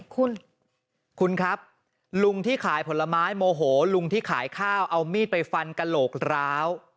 คุณคุณครับลุงที่ขายผลไม้โมโหลุงที่ขายข้าวเอามีดไปฟันกระโหลกร้าว